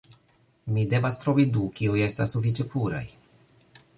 Mi devas trovi du, kiuj estas sufiĉe puraj